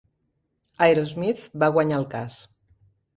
Aerosmith va guanyar el cas.